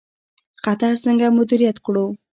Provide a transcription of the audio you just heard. خطر څنګه مدیریت کړو؟